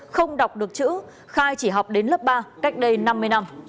không đọc được chữ khai chỉ học đến lớp ba cách đây năm mươi năm